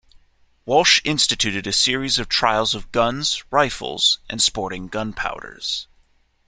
Walsh instituted a series of trials of guns, rifles, and sporting gunpowders.